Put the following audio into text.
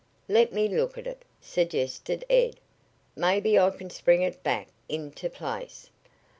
"Let me look at it," suggested Ed. "Maybe I can spring it back into place."